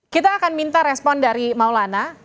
kita akan minta respon dari maulana